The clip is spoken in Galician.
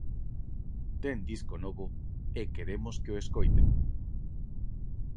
Ten disco novo e queremos que o escoiten.